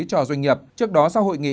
cho doanh nghiệp trước đó sau hội nghị